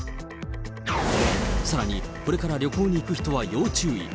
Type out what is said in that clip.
さらに、これから旅行に行く人は要注意。